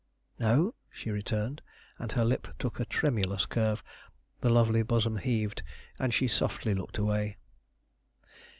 "No?" she returned; and her lip took a tremulous curve, the lovely bosom heaved, and she softly looked away.